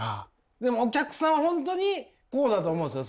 でもお客さんは本当にこうだと思うんです。